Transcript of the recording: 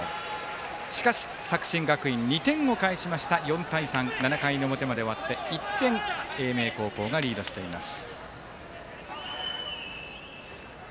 しかし、作新学院２点を返しました、４対３７回の表まで終わって１点英明高校がリードしています。